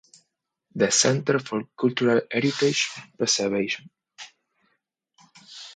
The Centre for Cultural Heritage Preservation.